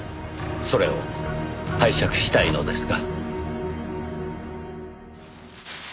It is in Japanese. それを拝借したいのですが。